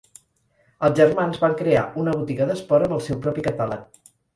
Els germans van crear una botiga d'esport amb el seu propi catàleg.